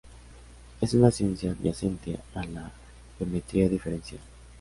Es una ciencia adyacente a la geometría diferencial.